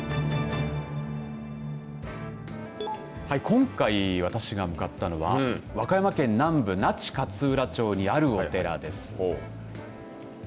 今回私が向かったのは和歌山県南部那智勝浦町にあるお寺です。